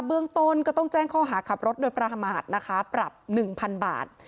เบื้องต้นก็ต้องแจ้งข้อหาขับรถโดยประมาทนะคะปรับ๑๐๐๐บาท